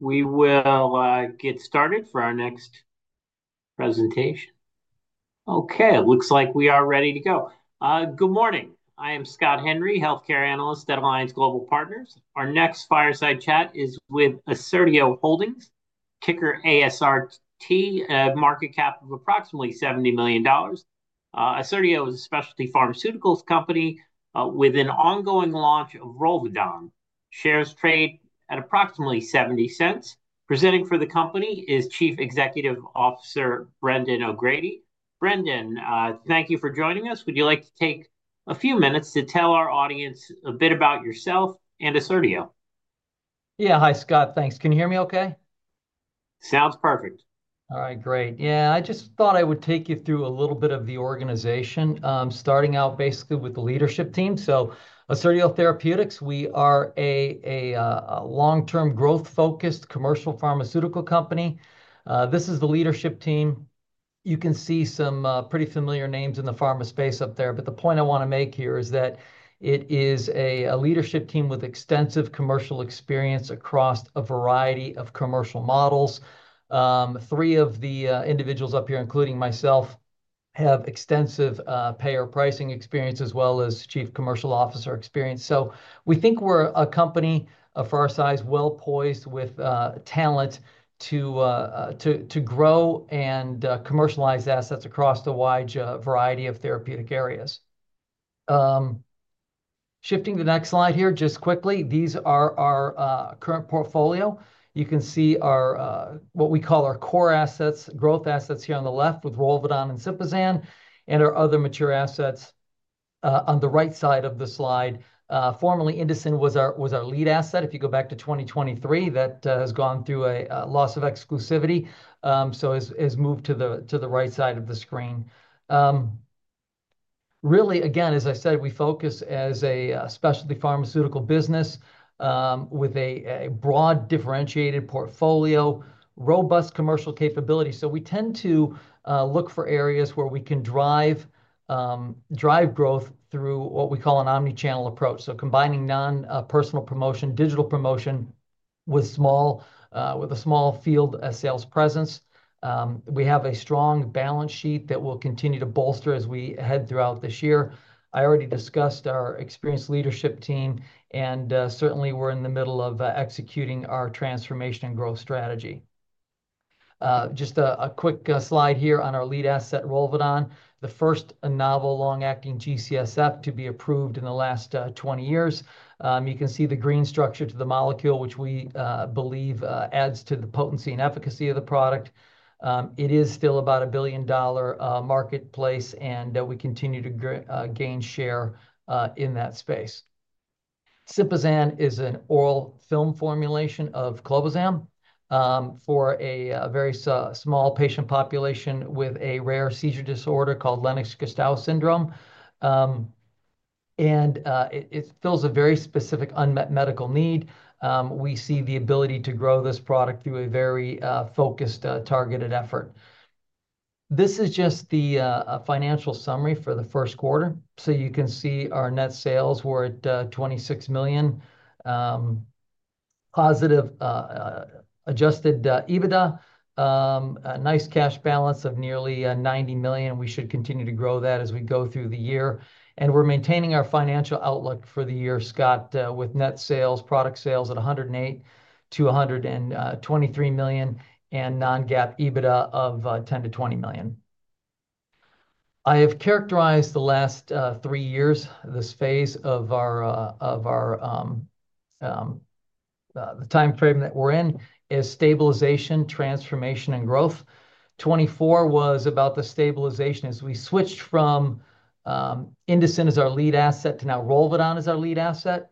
We will get started for our next presentation. Okay, it looks like we are ready to go. Good morning. I am Scott Henry, Healthcare Analyst at Alliance Global Partners. Our next fireside chat is with Assertio Holdings, ticker ASRT, market cap of approximately $70 million. Assertio is a specialty pharmaceuticals company with an ongoing launch of Rolvedon. Shares trade at approximately $0.70. Presenting for the company is Chief Executive Officer Brendan O'Grady. Brendan, thank you for joining us. Would you like to take a few minutes to tell our audience a bit about yourself and Assertio? Yeah. Hi, Scott. Thanks. Can you hear me okay? Sounds perfect. All right, great. Yeah, I just thought I would take you through a little bit of the organization, starting out basically with the Leadership Team. So Assertio Therapeutics, we are a long-term growth-focused commercial pharmaceutical company. This is the Leadership Team. You can see some pretty familiar names in the pharma space up there. The point I want to make here is that it is a Leadership Team with extensive commercial experience across a variety of commercial models. Three of the individuals up here, including myself, have extensive payer pricing experience as well as Chief Commercial Officer experience. We think we're a company for our size, well poised with talent to grow and commercialize assets across the wide variety of therapeutic areas. Shifting to the next slide here just quickly, these are our current portfolio. You can see what we call our core assets, growth assets here on the left with Rolvedon and Sympazan, and our other mature assets on the right side of the slide. Formerly, Indocin was our lead asset. If you go back to 2023, that has gone through a loss of exclusivity, so has moved to the right side of the screen. Really, again, as I said, we focus as a specialty pharmaceutical business with a broad differentiated portfolio, robust commercial capability. We tend to look for areas where we can drive growth through what we call an omnichannel approach. Combining non-personal promotion, digital promotion with a small field sales presence. We have a strong balance sheet that will continue to bolster as we head throughout this year. I already discussed our experienced leadership team, and certainly we are in the middle of executing our transformation and growth strategy. Just a quick slide here on our lead asset, Rolvedon, the first novel long-acting G-CSF to be approved in the last 20 years. You can see the green structure to the molecule, which we believe adds to the potency and efficacy of the product. It is still about a billion-dollar marketplace, and we continue to gain share in that space. Sympazan is an oral film formulation of clobazam for a very small patient population with a rare seizure disorder called Lennox-Gastaut syndrome. It fills a very specific unmet medical need. We see the ability to grow this product through a very focused, targeted effort. This is just the financial summary for the first quarter. You can see our net sales were at $26 million. Positive adjusted EBITDA, a nice cash balance of nearly $90 million. We should continue to grow that as we go through the year. We're maintaining our financial outlook for the year, Scott, with net sales, product sales at $108 million to $123 million, and non-GAAP EBITDA of $10 million to $20 million. I have characterized the last three years, this phase of the time frame that we're in as stabilization, transformation, and growth. 2024 was about the stabilization as we switched from Indocin as our lead asset to now Rolvedon as our lead asset.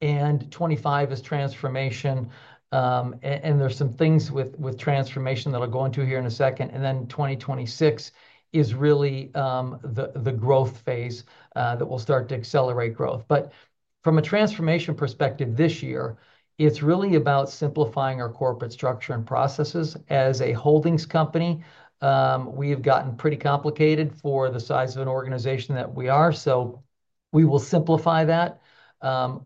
2025 is transformation. There are some things with transformation that I'll go into here in a second. 2026 is really the growth phase that will start to accelerate growth. From a transformation perspective this year, it's really about simplifying our corporate structure and processes. As a holdings company, we have gotten pretty complicated for the size of an organization that we are. We will simplify that.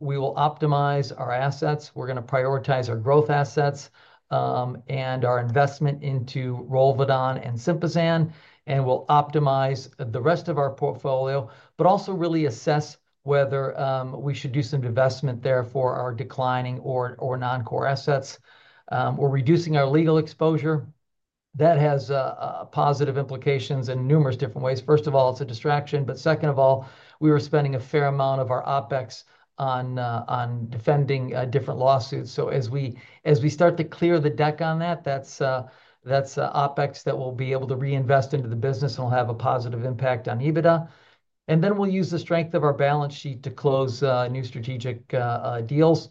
We will optimize our assets. We're going to prioritize our growth assets and our investment into Rolvedon and Sympazan, and we'll optimize the rest of our portfolio, but also really assess whether we should do some investment there for our declining or non-core assets. We're reducing our legal exposure. That has positive implications in numerous different ways. First of all, it's a distraction. Second of all, we were spending a fair amount of our OpEx on defending different lawsuits. As we start to clear the deck on that, that's OpEx that we'll be able to reinvest into the business and will have a positive impact on EBITDA. We'll use the strength of our balance sheet to close new strategic deals.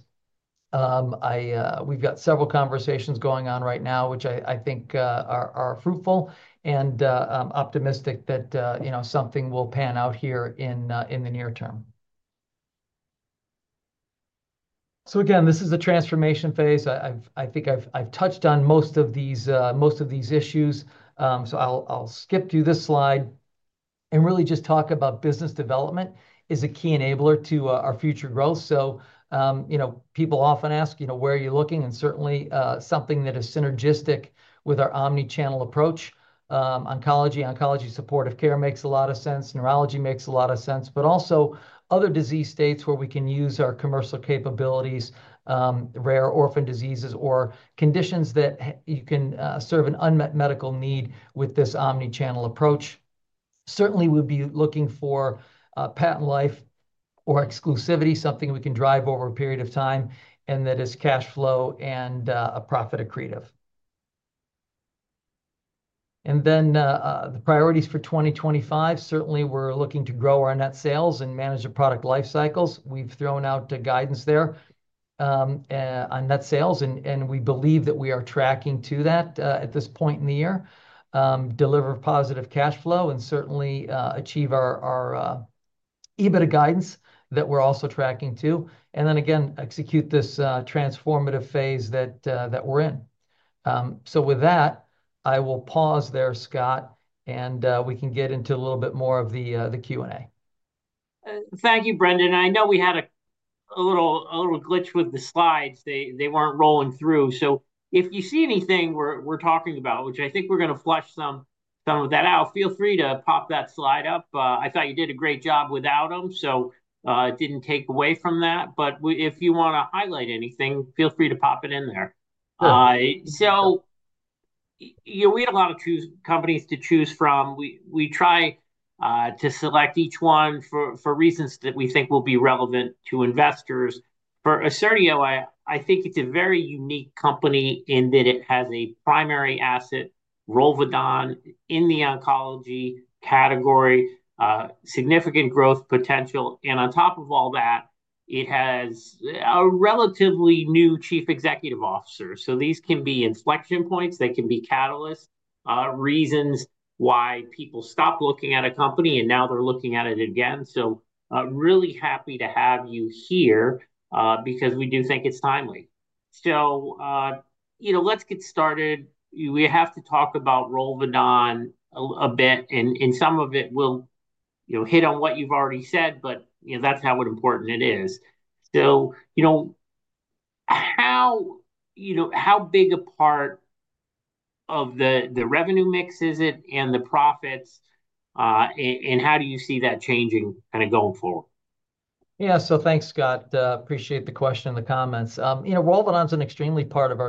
We've got several conversations going on right now, which I think are fruitful and optimistic that something will pan out here in the near term. Again, this is a transformation phase. I think I've touched on most of these issues. I'll skip to this slide and really just talk about business development is a key enabler to our future growth. People often ask, "Where are you looking?" Certainly something that is synergistic with our omnichannel approach. Oncology, oncology supportive care makes a lot of sense. Neurology makes a lot of sense. Also other disease states where we can use our commercial capabilities, rare orphan diseases, or conditions that you can serve an unmet medical need with this omnichannel approach. Certainly, we'll be looking for patent life or exclusivity, something we can drive over a period of time and that is cash flow and profit accretive. The priorities for 2025, certainly we're looking to grow our net sales and manage the product life cycles. We've thrown out guidance there on net sales, and we believe that we are tracking to that at this point in the year, deliver positive cash flow, and certainly achieve our EBITDA guidance that we are also tracking to. Again, execute this transformative phase that we are in. With that, I will pause there, Scott, and we can get into a little bit more of the Q&A. Thank you, Brendan. I know we had a little glitch with the slides. They were not rolling through. If you see anything we are talking about, which I think we are going to flush some of that out, feel free to pop that slide up. I thought you did a great job without them, so it did not take away from that. If you want to highlight anything, feel free to pop it in there. We have a lot of companies to choose from. We try to select each one for reasons that we think will be relevant to investors. For Assertio, I think it is a very unique company in that it has a primary asset, Rolvedon, in the oncology category, significant growth potential. On top of all that, it has a relatively new Chief Executive Officer. These can be inflection points. They can be catalysts, reasons why people stop looking at a company and now they're looking at it again. Really happy to have you here because we do think it's timely. Let's get started. We have to talk about Rolvedon a bit, and some of it will hit on what you've already said, but that's how important it is. How big a part of the revenue mix is it and the profits, and how do you see that changing kind of going forward? Yeah. So thanks, Scott. Appreciate the question, the comments. Rolvedon is an extremely important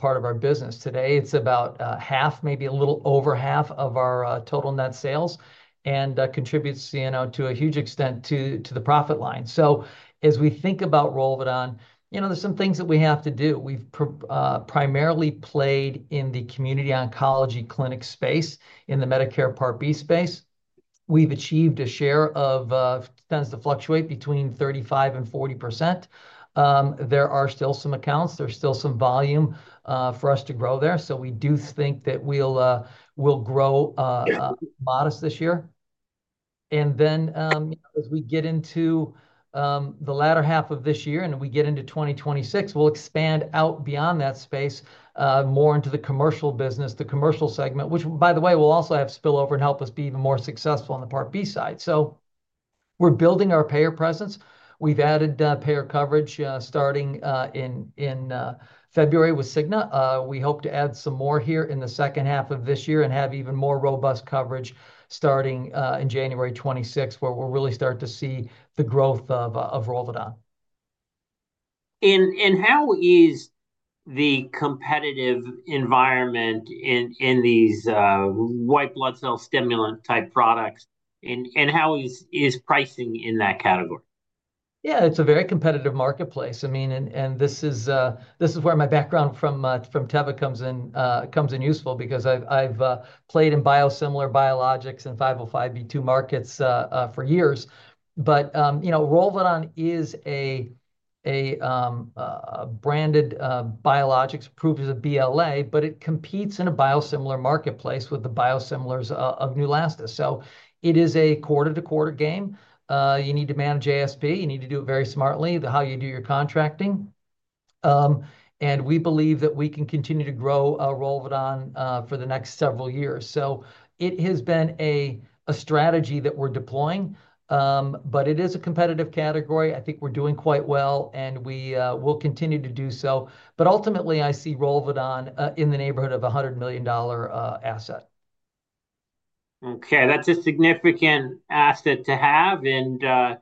part of our business today. It's about half, maybe a little over half of our total net sales and contributes to a huge extent to the profit line. As we think about Rolvedon, there's some things that we have to do. We've primarily played in the community oncology clinic space in the Medicare Part B space. We've achieved a share that tends to fluctuate between 35% to 40%. There are still some accounts. There's still some volume for us to grow there. We do think that we'll grow modest this year. As we get into the latter half of this year and we get into 2026, we'll expand out beyond that space more into the commercial business, the commercial segment, which, by the way, will also have spillover and help us be even more successful on the Part B side. We're building our payer presence. We've added payer coverage starting in February with Cigna. We hope to add some more here in the second half of this year and have even more robust coverage starting in January 2026, where we'll really start to see the growth of Rolvedon. How is the competitive environment in these white blood cell stimulant-type products? How is pricing in that category? Yeah, it's a very competitive marketplace. I mean, and this is where my background from Teva comes in useful because I've played in biosimilar biologics and 505(b)(2) markets for years. But Rolvedon is a branded biologic, proves a BLA, but it competes in a biosimilar marketplace with the biosimilars of Neulasta. It is a quarter-to-quarter game. You need to manage ASP. You need to do it very smartly, how you do your contracting. We believe that we can continue to grow Rolvedon for the next several years. It has been a strategy that we're deploying, but it is a competitive category. I think we're doing quite well, and we will continue to do so. Ultimately, I see Rolvedon in the neighborhood of a $100 million asset. Okay. That's a significant asset to have. The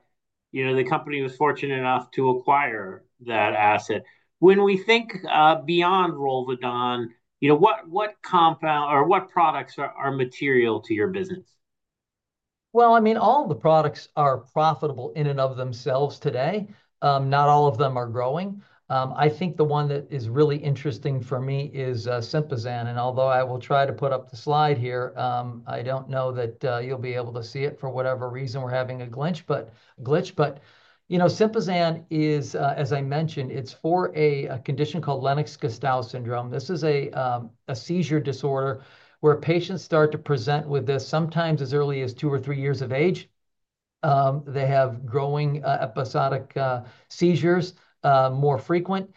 company was fortunate enough to acquire that asset. When we think beyond Rolvedon, what compound or what products are material to your business? I mean, all the products are profitable in and of themselves today. Not all of them are growing. I think the one that is really interesting for me is Sympazan. Although I will try to put up the slide here, I do not know that you will be able to see it for whatever reason, we are having a glitch. Sympazan is, as I mentioned, it is for a condition called Lennox-Gastaut syndrome. This is a seizure disorder where patients start to present with this sometimes as early as two or three years of age. They have growing episodic seizures, more frequent.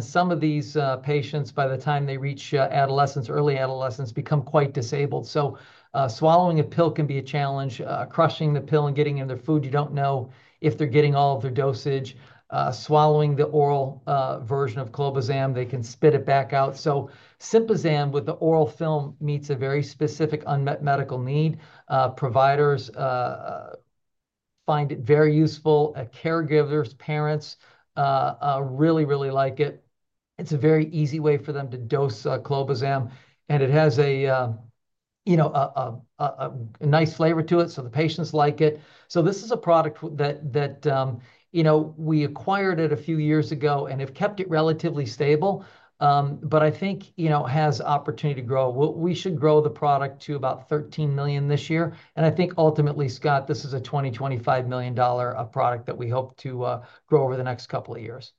Some of these patients, by the time they reach adolescence, early adolescence, become quite disabled. Swallowing a pill can be a challenge. Crushing the pill and getting it in their food, you do not know if they are getting all of their dosage. Swallowing the oral version of clobazam, they can spit it back out. Sympazan with the oral film meets a very specific unmet medical need. Providers find it very useful. Caregivers, parents really, really like it. It is a very easy way for them to dose clobazam. It has a nice flavor to it, so the patients like it. This is a product that we acquired a few years ago and have kept it relatively stable, but I think has opportunity to grow. We should grow the product to about $13 million this year. I think ultimately, Scott, this is a $20 million to $25 million product that we hope to grow over the next couple of years.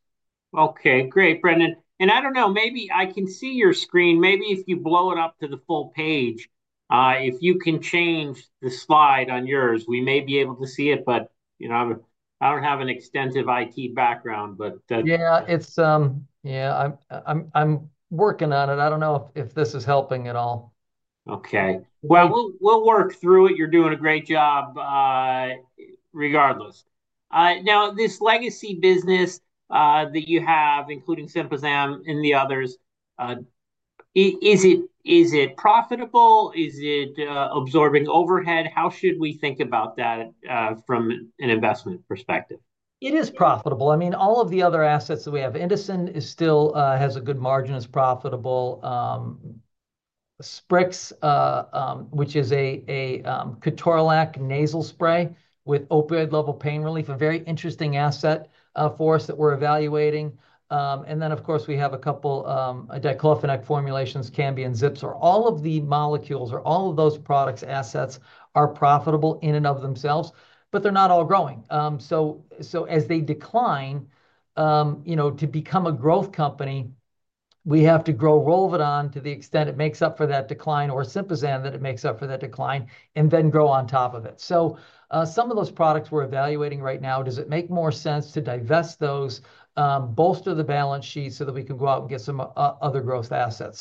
Okay. Great, Brendan. I do not know, maybe I can see your screen. Maybe if you blow it up to the full page, if you can change the slide on yours, we may be able to see it, but I do not have an extensive IT background. Yeah. Yeah. I'm working on it. I don't know if this is helping at all. Okay. We'll work through it. You're doing a great job regardless. Now, this legacy business that you have, including Sympazan and the others, is it profitable? Is it absorbing overhead? How should we think about that from an investment perspective? It is profitable. I mean, all of the other assets that we have, Indocin still has a good margin, is profitable. Sprix, which is a ketorolac nasal spray with opioid-level pain relief, a very interesting asset for us that we're evaluating. Then, of course, we have a couple of diclofenac formulations, Cambia, and Zipsor. All of the molecules or all of those products, assets are profitable in and of themselves, but they're not all growing. As they decline to become a growth company, we have to grow Rolvedon to the extent it makes up for that decline or Sympazan that it makes up for that decline and then grow on top of it. Some of those products we're evaluating right now, does it make more sense to divest those, bolster the balance sheet so that we can go out and get some other growth assets?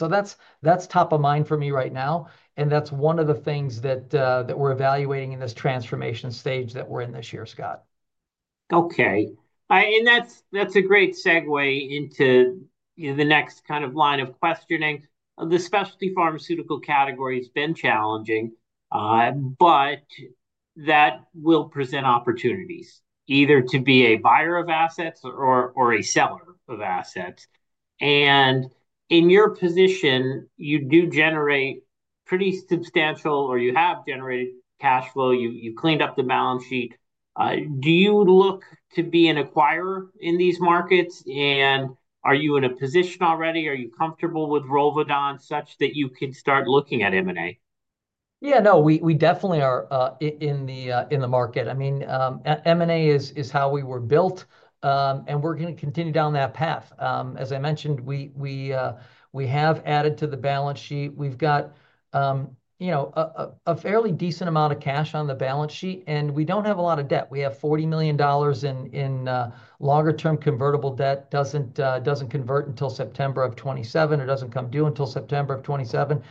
That's top of mind for me right now. That's one of the things that we're evaluating in this transformation stage that we're in this year, Scott. Okay. That's a great segue into the next kind of line of questioning. The specialty pharmaceutical category has been challenging, but that will present opportunities either to be a buyer of assets or a seller of assets. In your position, you do generate pretty substantial or you have generated cash flow. You cleaned up the balance sheet. Do you look to be an acquirer in these markets? Are you in a position already? Are you comfortable with Rolvedon such that you can start looking at M&A? Yeah. No, we definitely are in the market. I mean, M&A is how we were built, and we're going to continue down that path. As I mentioned, we have added to the balance sheet. We've got a fairly decent amount of cash on the balance sheet, and we don't have a lot of debt. We have $40 million in longer-term convertible debt. It doesn't convert until September of 2027. It doesn't come due until September of 2027.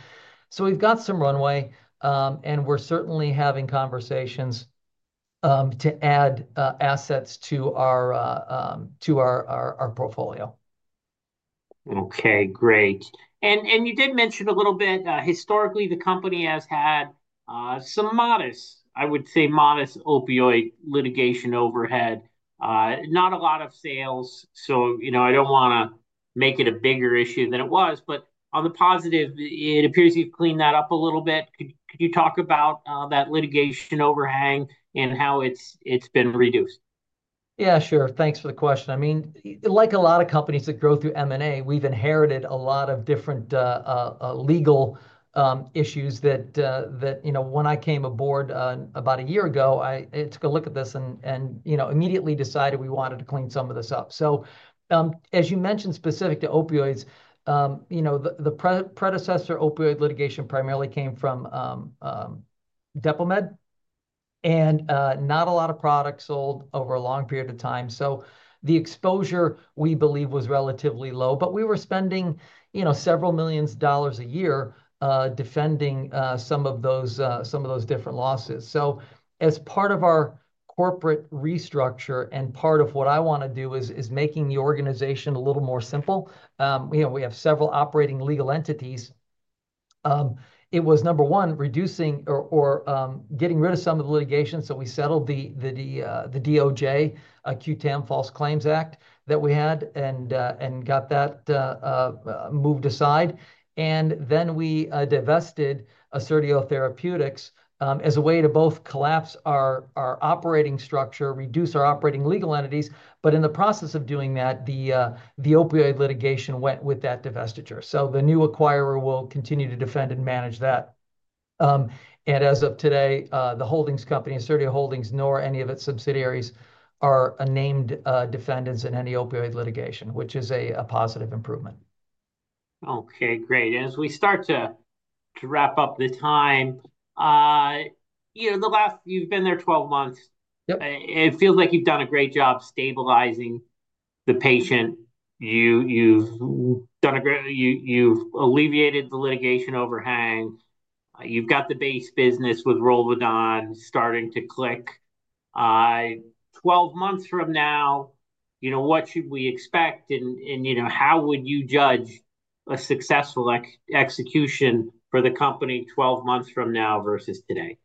We've got some runway, and we're certainly having conversations to add assets to our portfolio. Okay. Great. You did mention a little bit, historically, the company has had some modest, I would say modest opioid litigation overhead, not a lot of sales. I do not want to make it a bigger issue than it was. On the positive, it appears you have cleaned that up a little bit. Could you talk about that litigation overhang and how it has been reduced? Yeah, sure. Thanks for the question. I mean, like a lot of companies that grow through M&A, we've inherited a lot of different legal issues that when I came aboard about a year ago, I took a look at this and immediately decided we wanted to clean some of this up. As you mentioned, specific to opioids, the predecessor opioid litigation primarily came from DepoMed and not a lot of products sold over a long period of time. The exposure, we believe, was relatively low, but we were spending several millions of dollars a year defending some of those different losses. As part of our corporate restructure and part of what I want to do is making the organization a little more simple. We have several operating legal entities. It was number one, reducing or getting rid of some of the litigation. We settled the DOJ, QTAM, False Claims Act that we had and got that moved aside. We divested Assertio Therapeutics as a way to both collapse our operating structure and reduce our operating legal entities. In the process of doing that, the opioid litigation went with that divestiture. The new acquirer will continue to defend and manage that. As of today, the holdings company, Assertio Holdings, nor any of its subsidiaries are named defendants in any opioid litigation, which is a positive improvement. Okay. Great. As we start to wrap up the time, the last you've been there 12 months, it feels like you've done a great job stabilizing the patient. You've alleviated the litigation overhang. You've got the base business with Rolvedon starting to click. Twelve months from now, what should we expect? How would you judge a successful execution for the company 12 months from now versus today?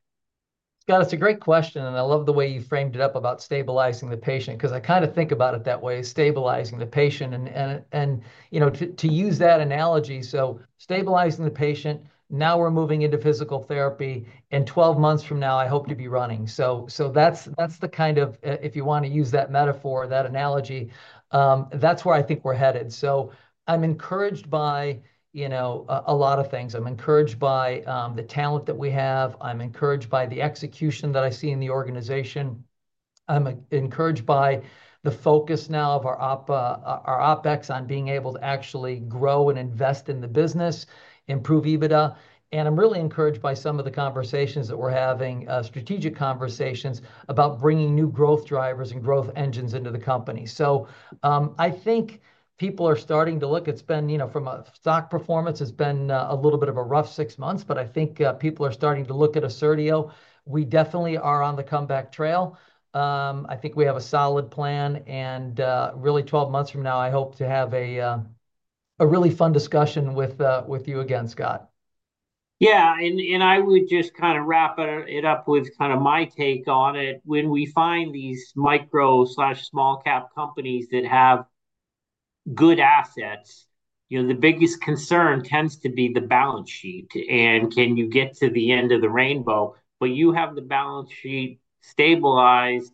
Yeah, that's a great question. I love the way you framed it up about stabilizing the patient because I kind of think about it that way, stabilizing the patient. To use that analogy, stabilizing the patient, now we're moving into physical therapy. 12 months from now, I hope to be running. If you want to use that metaphor, that analogy, that's where I think we're headed. I'm encouraged by a lot of things. I'm encouraged by the talent that we have. I'm encouraged by the execution that I see in the organization. I'm encouraged by the focus now of our OpEx on being able to actually grow and invest in the business, improve EBITDA. I'm really encouraged by some of the conversations that we're having, strategic conversations about bringing new growth drivers and growth engines into the company. I think people are starting to look. It's been, from a stock performance, it's been a little bit of a rough six months, but I think people are starting to look at Assertio. We definitely are on the comeback trail. I think we have a solid plan. Really, 12 months from now, I hope to have a really fun discussion with you again, Scott. Yeah. And I would just kind of wrap it up with kind of my take on it. When we find these micro/small-cap companies that have good assets, the biggest concern tends to be the balance sheet and can you get to the end of the rainbow. You have the balance sheet stabilized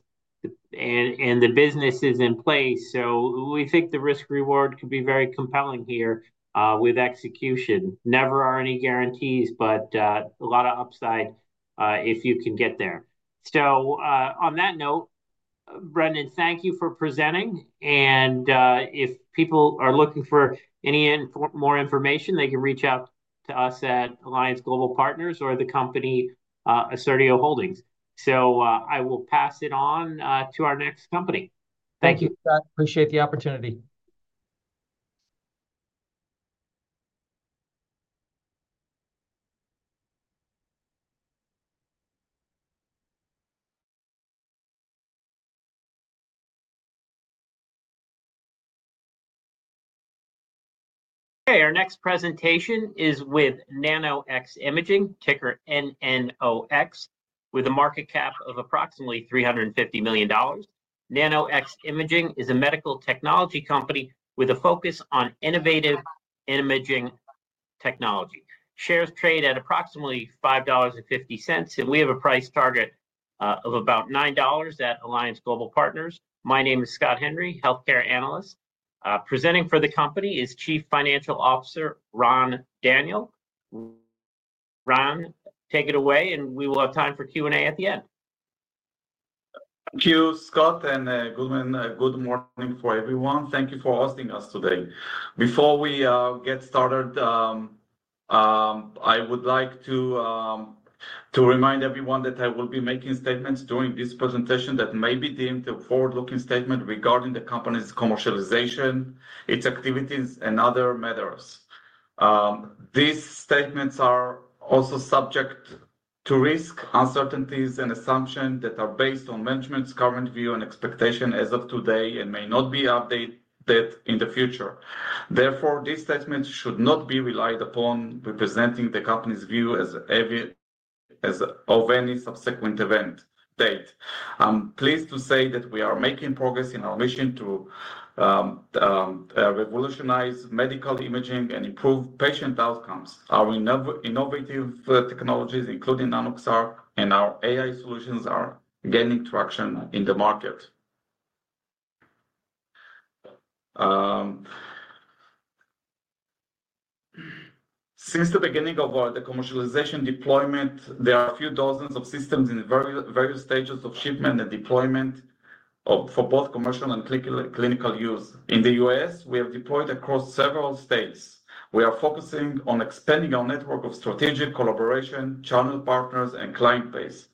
and the business is in place. We think the risk-reward could be very compelling here with execution. Never are any guarantees, but a lot of upside if you can get there. On that note, Brendan, thank you for presenting. If people are looking for any more information, they can reach out to us at Alliance Global Partners or the company Assertio Holdings. I will pass it on to our next company. Thank you, Scott. Appreciate the opportunity. Okay. Our next presentation is with Nano-X Imaging, ticker NNOX, with a market cap of approximately $350 million. Nano-X Imaging is a medical technology company with a focus on innovative imaging technology. Shares trade at approximately $5.50, and we have a price target of about $9 at Alliance Global Partners. My name is Scott Henry, Healthcare Analyst. Presenting for the company is Chief Financial Officer Ron Daniel. Ron, take it away, and we will have time for Q&A at the end. Thank you, Scott, and good morning for everyone. Thank you for hosting us today. Before we get started, I would like to remind everyone that I will be making statements during this presentation that may be deemed a forward-looking statement regarding the company's commercialization, its activities, and other matters. These statements are also subject to risk, uncertainties, and assumptions that are based on management's current view and expectation as of today and may not be updated in the future. Therefore, these statements should not be relied upon representing the company's view of any subsequent event or date. I'm pleased to say that we are making progress in our mission to revolutionize medical imaging and improve patient outcomes. Our innovative technologies, including Nanox ARC and our AI solutions, are gaining traction in the market. Since the beginning of the commercialization deployment, there are a few dozens of systems in various stages of shipment and deployment for both commercial and clinical use. In the U.S., we have deployed across several states. We are focusing on expanding our network of strategic collaboration, channel partners, and client base.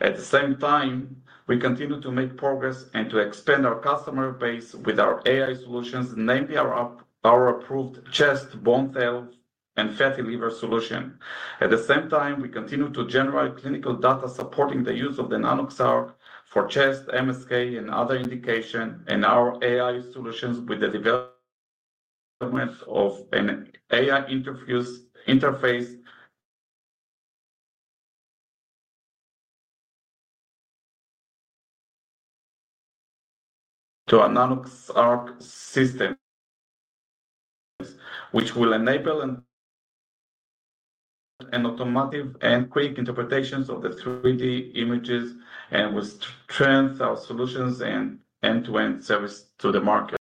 At the same time, we continue to make progress and to expand our customer base with our AI solutions, namely our approved chest, bone health, and fatty liver solution. At the same time, we continue to generate clinical data supporting the use of the Nanox ARC for chest, MSK, and other indications, and our AI solutions with the development of an AI interface to a Nanox ARC system, which will enable an automatic and quick interpretation of the 3D images and will strengthen our solutions and end-to-end service to the market.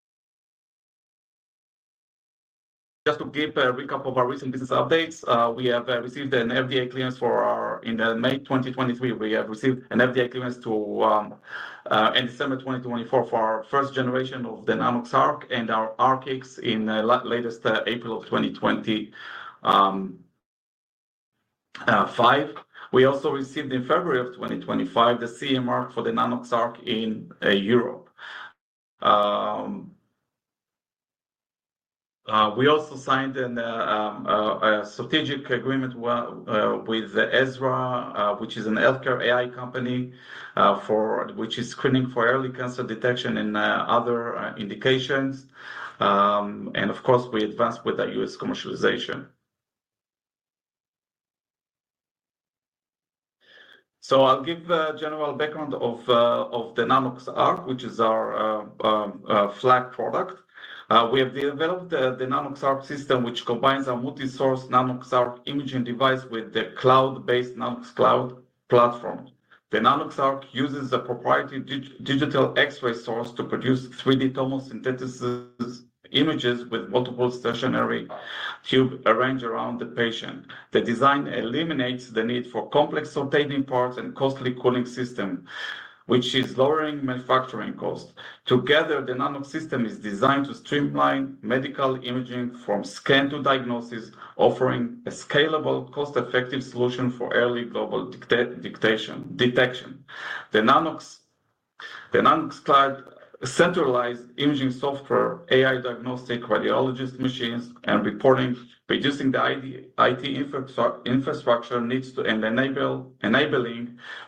Just to give a recap of our recent business updates, we have received an FDA clearance for our in May 2023. We have received an FDA clearance in December 2024 for our first generation of the Nanox ARC and our ARKICS in latest April of 2025. We also received in February of 2025 the CE Mark for the Nanox ARC in Europe. We also signed a strategic agreement with Ezra, which is a healthcare AI company, which is screening for early cancer detection and other indications. Of course, we advanced with the U.S. commercialization. I will give a general background of the Nanox ARC, which is our flag product. We have developed the Nanox ARC system, which combines a multi-source Nanox ARC imaging device with the cloud-based Nanox Cloud platform. The Nanox ARC uses a proprietary digital X-ray source to produce 3D tomosynthesis images with multiple stationary tubes arranged around the patient. The design eliminates the need for complex rotating parts and costly cooling systems, which is lowering manufacturing costs. Together, the Nanox system is designed to streamline medical imaging from scan to diagnosis, offering a scalable, cost-effective solution for early global detection. The Nanox Cloud centralized imaging software, AI diagnostic radiologist machines, and reporting, reducing the IT infrastructure needs to enable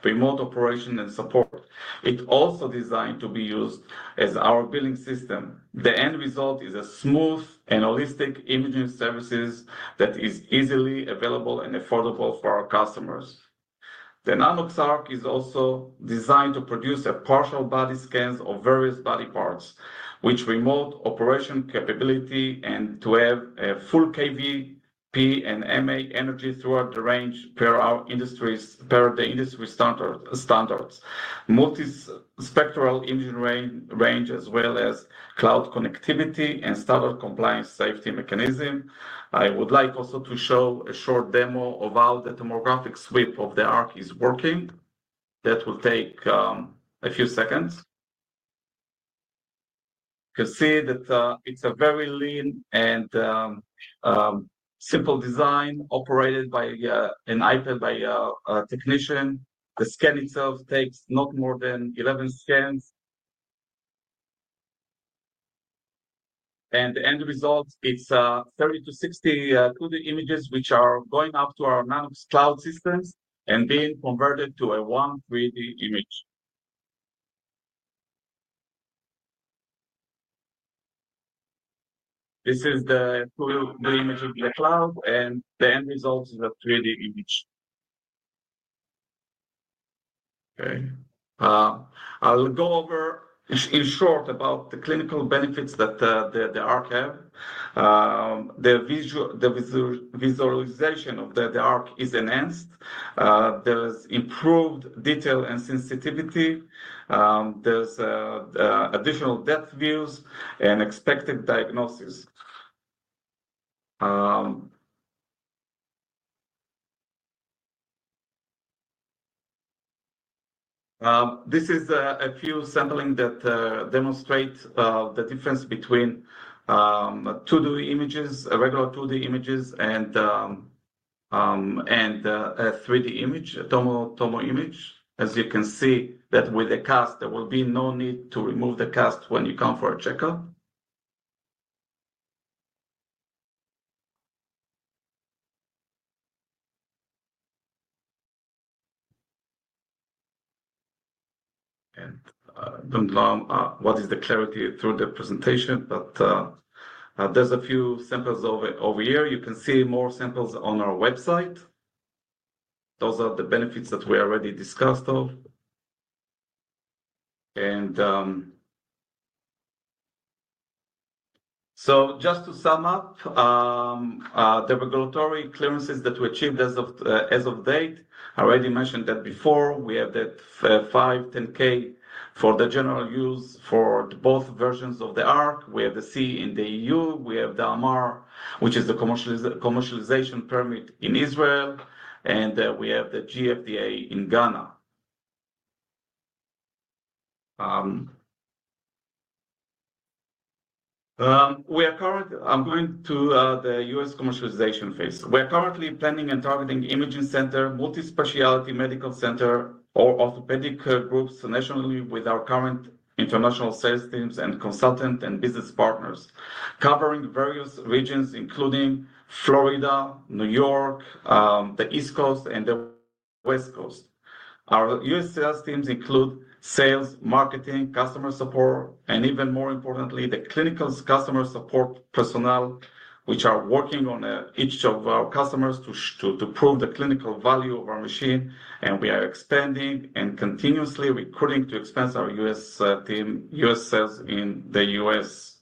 remote operation and support. It's also designed to be used as our billing system. The end result is a smooth and holistic imaging services that is easily available and affordable for our customers. The Nanox ARC is also designed to produce partial body scans of various body parts, with remote operation capability and to have a full kVp and mA energy throughout the range per the industry standards. Multi-spectral imaging range, as well as cloud connectivity and standard compliance safety mechanism. I would like also to show a short demo of how the tomographic sweep of the Nanox ARC is working. That will take a few seconds. You can see that it's a very lean and simple design operated by an AI by a technician. The scan itself takes not more than 11 scans. And the end result, it's 30 to 60 2D images, which are going up to our Nanox Cloud systems and being converted to one 3D image. This is the 2D image of the cloud, and the end result is a 3D image. Okay. I'll go over in short about the clinical benefits that the Nanox ARC has. The visualization of the Nanox ARC is enhanced. There is improved detail and sensitivity. There's additional depth views and expected diagnosis. This is a few sampling that demonstrate the difference between 2D images, regular 2D images, and a 3D image, a tomo image. As you can see that with the cast, there will be no need to remove the cast when you come for a check-up. I do not know what is the clarity through the presentation, but there is a few samples over here. You can see more samples on our website. Those are the benefits that we already discussed. Just to sum up, the regulatory clearances that we achieved as of date, I already mentioned that before. We have that FDA 510(k) for the general use for both versions of the ARC. We have the CE in the EU. We have the AMAR, which is the commercialization permit in Israel. We have the GFDA in Ghana. We are currently going to the U.S. commercialization phase. We are currently planning and targeting imaging centers, multispecialty medical centers, or orthopedic groups nationally with our current international sales teams and consultant and business partners, covering various regions, including Florida, New York, the East Coast, and the West Coast. Our U.S. sales teams include sales, marketing, customer support, and even more importantly, the clinical customer support personnel, which are working on each of our customers to prove the clinical value of our machine. We are expanding and continuously recruiting to expand our U.S. team, U.S. sales in the U.S.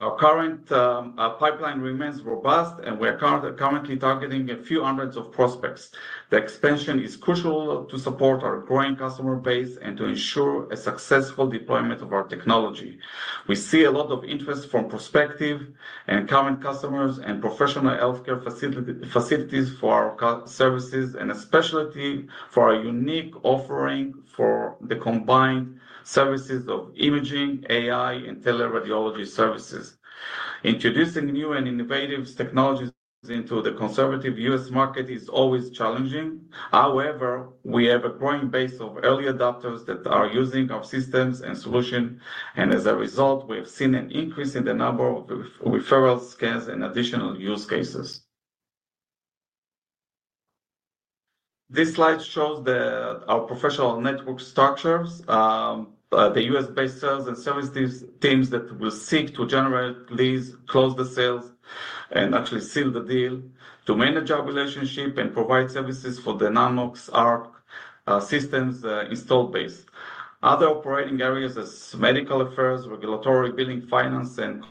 Our current pipeline remains robust, and we are currently targeting a few hundred prospects. The expansion is crucial to support our growing customer base and to ensure a successful deployment of our technology. We see a lot of interest from prospective and current customers and professional healthcare facilities for our services, and especially for our unique offering for the combined services of imaging, AI, and teleradiology services. Introducing new and innovative technologies into the conservative U.S. market is always challenging. However, we have a growing base of early adopters that are using our systems and solutions. As a result, we have seen an increase in the number of referral scans and additional use cases. This slide shows our professional network structures, the U.S.-based sales and service teams that will seek to generate leads, close the sales, and actually seal the deal to manage our relationship and provide services for the Nanox ARC systems installed base. Other operating areas such as medical affairs, regulatory billing, finance, and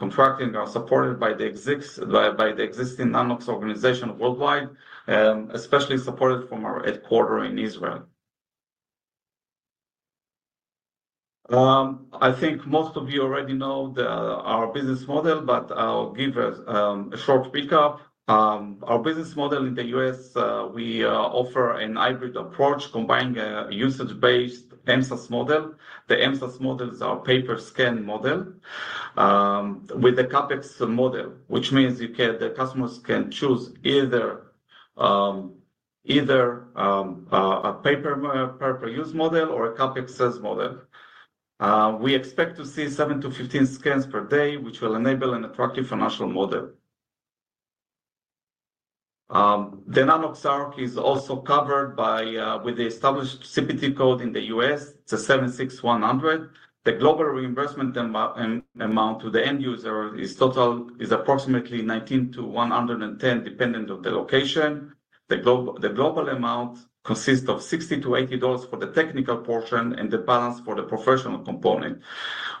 contracting are supported by the existing Nanox organization worldwide, especially supported from our headquarters in Israel. I think most of you already know our business model, but I'll give a short recap. Our business model in the U.S., we offer a hybrid approach combining a usage-based MSaaS model. The MSaaS model is our pay-per-scan model with the CapEx model, which means the customers can choose either a pay-per-use model or a CapEx sales model. We expect to see 7 scans to 15 scans per day, which will enable an attractive financial model. The Nanox ARC is also covered with the established CPT code in the U.S. It's a 76100. The global reimbursement amount to the end user is approximately $19 to $110, depending on the location. The global amount consists of $60 to $80 for the technical portion and the balance for the professional component.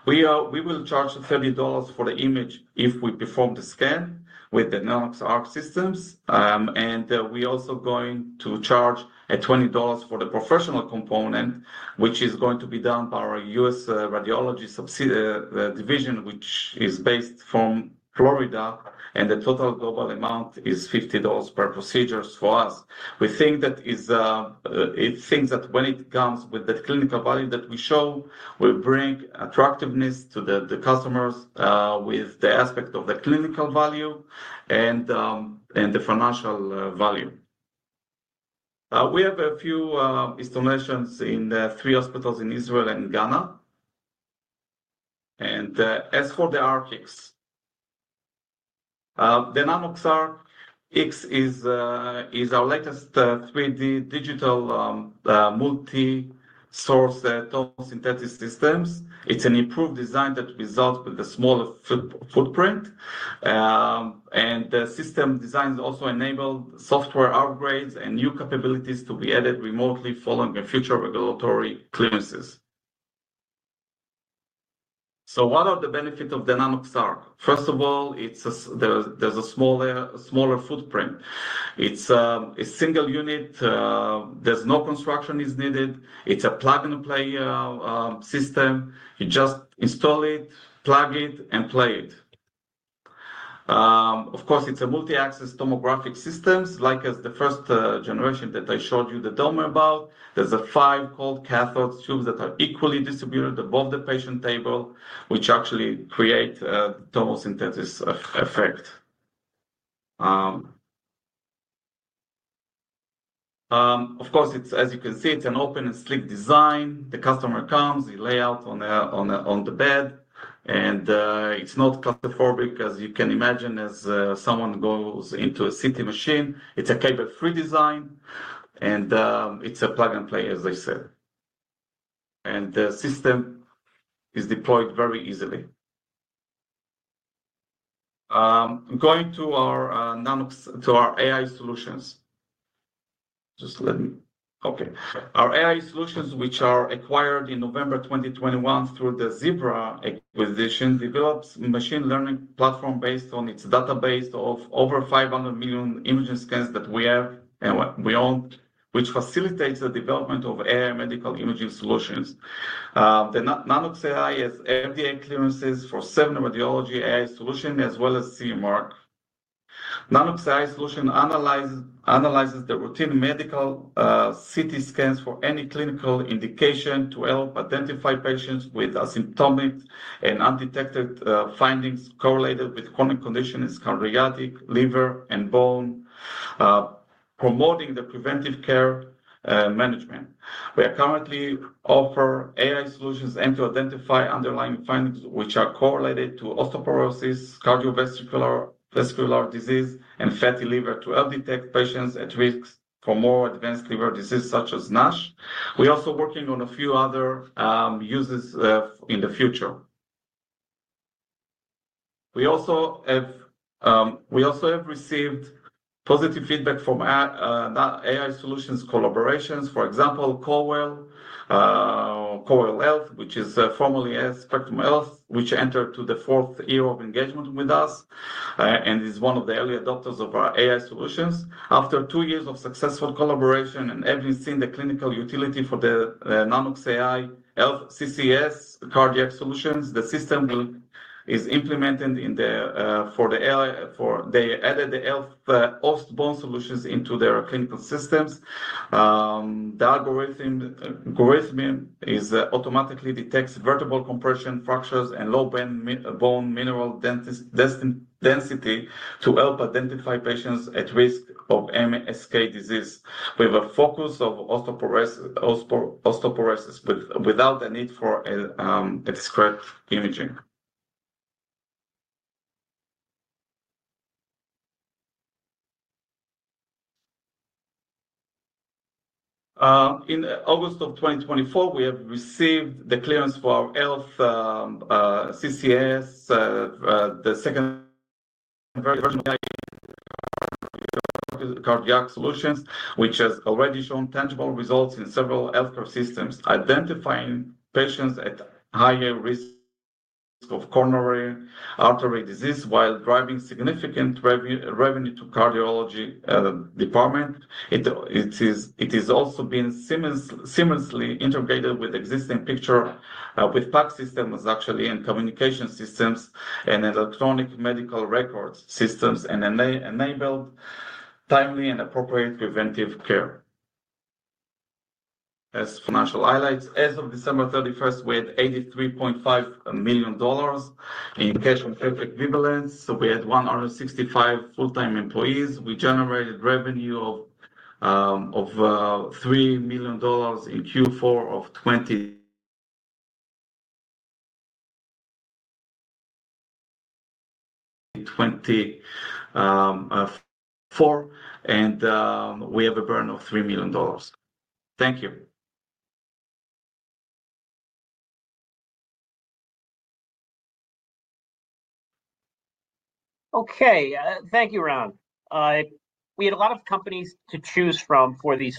We will charge $30 for the image if we perform the scan with the Nanox ARC systems. We are also going to charge $20 for the professional component, which is going to be done by our U.S. radiology division, which is based in Florida. The total global amount is $50 per procedure for us. We think that when it comes with the clinical value that we show, we bring attractiveness to the customers with the aspect of the clinical value and the financial value. We have a few installations in three hospitals in Israel and Ghana. As for the Nanox ARC, the Nanox ARC is our latest 3D digital multi-source tomosynthesis system. It is an improved design that results in a smaller footprint. The system designs also enable software upgrades and new capabilities to be added remotely following future regulatory clearances. What are the benefits of the Nanox ARC? First of all, there is a smaller footprint. It is a single unit. There's no construction needed. It's a plug-and-play system. You just install it, plug it, and play it. Of course, it's a multi-axis tomographic system, like the first generation that I showed you the domain about. There are five cold cathode tubes that are equally distributed above the patient table, which actually create the tomosynthesis effect. Of course, as you can see, it's an open and sleek design. The customer comes, they lay out on the bed, and it's not claustrophobic, as you can imagine, as someone goes into a CT machine. It's a cable-free design, and it's a plug-and-play, as I said. The system is deployed very easily. Going to our AI solutions. Just let me, okay. Our AI solutions, which were acquired in November 2021 through the Zebra acquisition, developed a machine learning platform based on its database of over 500 million imaging scans that we have and we own, which facilitates the development of AI medical imaging solutions. The Nanox AI has FDA clearances for semi-radiology AI solution, as well as CE Mark. Nanox AI solution analyzes the routine medical CT scans for any clinical indication to help identify patients with asymptomatic and undetected findings correlated with chronic conditions in cardiology, liver, and bone, promoting the preventive care management. We currently offer AI solutions to identify underlying findings, which are correlated to osteoporosis, cardiovascular disease, and fatty liver to help detect patients at risk for more advanced liver disease, such as NASH. We are also working on a few other uses in the future. We also have received positive feedback from AI solutions collaborations, for example, Corewell Health, which is formerly Spectrum Health, which entered the fourth year of engagement with us and is one of the early adopters of our AI solutions. After two years of successful collaboration and having seen the clinical utility for the Nanox AI Health CCS cardiac solutions, the system is implemented for the AI for they added the Health Bone solutions into their clinical systems. The algorithm automatically detects vertebral compression fractures and low bone mineral density to help identify patients at risk of MSK disease with a focus of osteoporosis without the need for a discrete imaging. In August of 2024, we have received the clearance for our Health CCS, the second cardiac solutions, which has already shown tangible results in several healthcare systems, identifying patients at higher risk of coronary artery disease while driving significant revenue to the cardiology department. It has also been seamlessly integrated with existing picture with PAC systems actually and communication systems and electronic medical records systems and enabled timely and appropriate preventive care. As financial highlights, as of December 31st, we had $83.5 million in cash equivalents. We had 165 full-time employees. We generated revenue of $3 million in Q4 of 2024, and we have a burn of $3 million. Thank you. Okay. Thank you, Ron. We had a lot of companies to choose from for these.